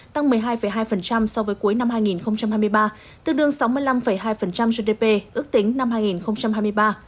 tăng một mươi hai hai so với cuối năm hai nghìn hai mươi ba tương đương sáu mươi năm hai gdp ước tính năm hai nghìn hai mươi ba